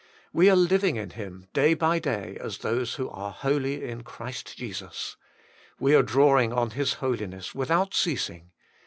We are living in Him, day by day, as those who are holy in Christ Jesus. We are drawing on His Holiness without ceasing.